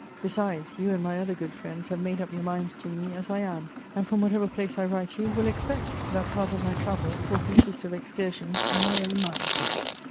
Besides, you and my other good friends have made up your minds to me as I am, and from whatever place I write you will expect that part of my "Travels" will consist of excursions in my own mind.